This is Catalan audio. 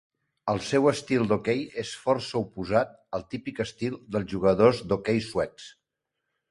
El seu estil d'hoquei és força oposat al típic estil dels jugadors d'hoquei suecs.